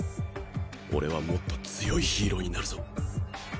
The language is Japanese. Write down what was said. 俺はもっと強いヒーローになるぞ。